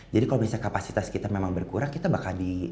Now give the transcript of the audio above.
jadi kalau misalnya kapasitas kita memang berkurang kita bakal di